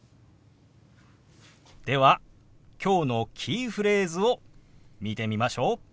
ではきょうのキーフレーズを見てみましょう。